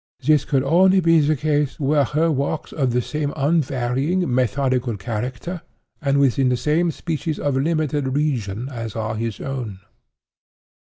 This could only be the case were her walks of the same unvarying, methodical character, and within the same species of limited region as are his own.